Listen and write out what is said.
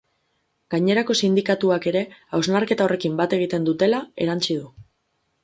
Gainerako sindikatuak ere hausnarketa horrekin bat egiten dutela erantsi du.